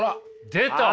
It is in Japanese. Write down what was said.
出た！